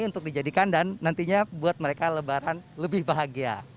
untuk dijadikan dan nantinya buat mereka lebaran lebih bahagia